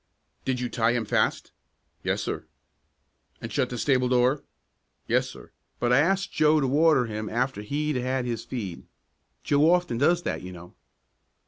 "Did you tie him fast?" "Yes, sir." "And shut the stable door?" "Yes, sir; but I asked Joe to water him after he'd had his feed. Joe often does that, you know."